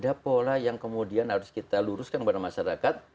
ada pola yang kemudian harus kita luruskan kepada masyarakat